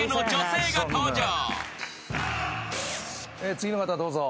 次の方どうぞ。